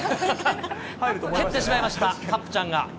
蹴ってしまいました、カップちゃんが。